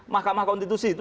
mahkamah konstitusi itu